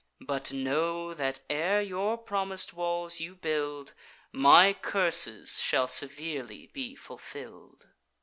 But know, that ere your promis'd walls you build, My curses shall severely be fulfill'd.